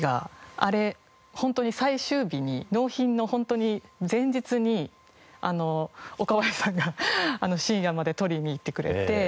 あれホントに最終日に納品のホントに前日に岡林さんが深夜まで撮りに行ってくれて。